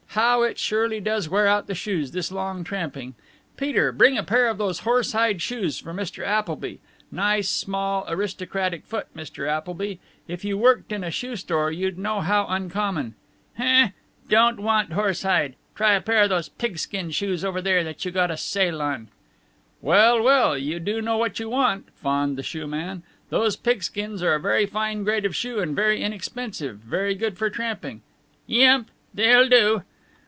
how it surely does wear out the shoes, this long tramping. Peter, bring a pair of those horsehide shoes for Mr. Appleby. Nice, small, aristocratic foot, Mr. Appleby. If you worked in a shoe store you'd know how uncommon " "Huh! Don't want horsehide. Try a pair o' those pigskin shoes over there that you got a sale on." "Well, well, you do know what you want," fawned the shoeman. "Those pigskins are a very fine grade of shoe, and very inexpensive, very good for tramping " "Yump. They'll do."